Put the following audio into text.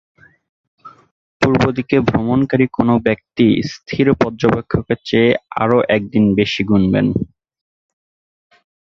পূর্ব দিকে ভ্রমণকারী কোনও ব্যক্তি স্থির পর্যবেক্ষকের চেয়ে আরও একদিন বেশি গুনবেন।